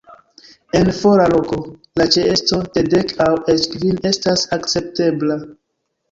En fora loko, la ĉeesto de dek aŭ eĉ kvin estas akceptebla.